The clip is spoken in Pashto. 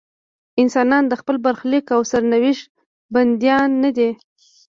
انسانان د خپل برخلیک او سرنوشت بندیان نه دي.